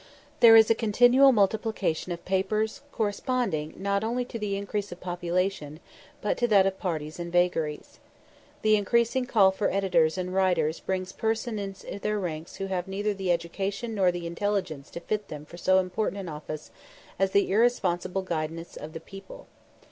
There is a continual multiplication of papers, corresponding, not only to the increase of population, but to that of parties and vagaries. The increasing call for editors and writers brings persons into their ranks who have neither the education nor the intelligence to fit them for so important an office as the irresponsible guidance of the people.